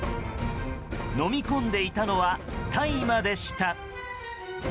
飲み込んでいたのは大麻でした。